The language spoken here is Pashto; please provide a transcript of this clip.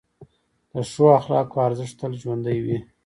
د ښو اخلاقو ارزښت تل ژوندی وي.